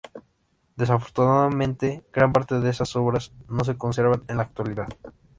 Desafortunadamente gran parte de estas obras no se conservan en la actualidad.